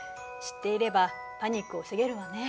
知っていればパニックを防げるわね。